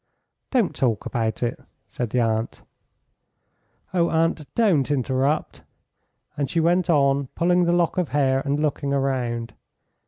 "Don't talk about it," said the aunt. "Oh, aunt, don't interrupt," and she went on pulling the lock of hair and looking round.